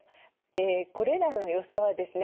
これらのよさはですね